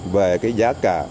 về cái giá cả